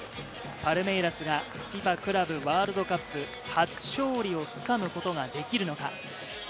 パルメイラスがＦＩＦＡクラブワールドカップ初勝利をつかむことができるのか。